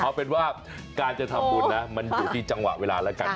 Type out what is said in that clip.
เอาเป็นว่าการจะทำบุญนะมันอยู่ที่จังหวะเวลาแล้วกัน